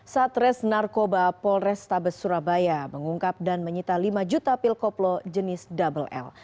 satres narkoba polrestabes surabaya mengungkap dan menyita lima juta pil koplo jenis double l